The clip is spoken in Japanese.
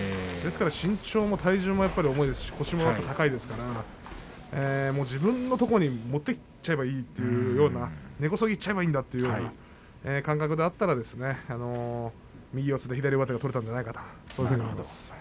身長も体重も重いですし腰も高いですから自分のところに持ってっちゃえばいい根こそぎいっちゃえばいいという感覚だったら右四つ左上手が取れたんじゃないかなと思います。